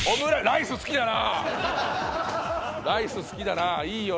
ライス好きだないいよ